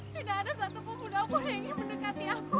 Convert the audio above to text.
tidak ada satu pembunuh aku yang ingin mendekati aku